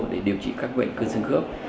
để điều trị các bệnh cơ xương khớp